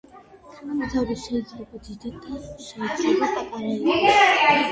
თანამგზავრი შეიძლება დიდი და შეიძლება პატარა იყოს.